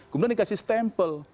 kemudian dikasih stempel